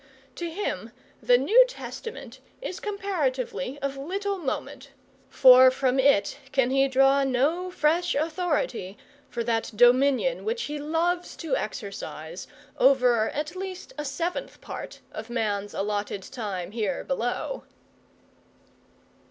To him the New Testament is comparatively of little moment, for from it can he draw no fresh authority for that dominion which he loves to exercise over at least a seventh part of man's allotted time here below.